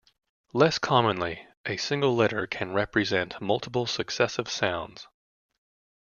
Less commonly, a single letter can represent multiple successive sounds.